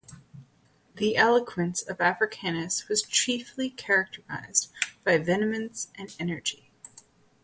The eloquence of Africanus was chiefly characterized by vehemence and energy.